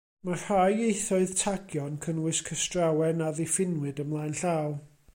Mae rhai ieithoedd tagio'n cynnwys cystrawen a ddiffiniwyd ymlaen llaw.